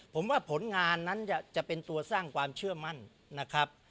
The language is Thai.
ผมว่าผลงานนั้นจะเป็นตัวสร้างความเชื่อมั่นนะครับ